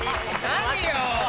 何よ！